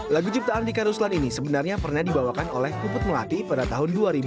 lagu ciptaan dika ruslan ini sebenarnya pernah dibawakan oleh puput melati pada tahun dua ribu